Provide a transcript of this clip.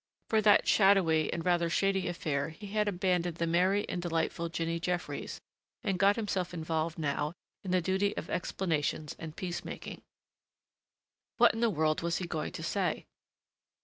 For that shadowy and rather shady affair he had abandoned the merry and delightful Jinny Jeffries and got himself involved now in the duty of explanations and peacemaking. What in the world was he going to say?